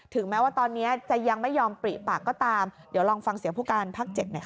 แม้ว่าตอนนี้จะยังไม่ยอมปริปากก็ตามเดี๋ยวลองฟังเสียงผู้การภาค๗หน่อยค่ะ